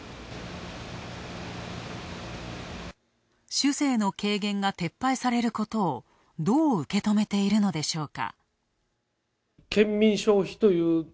酒税の軽減が撤廃されることをどう受け止めているのでしょうか？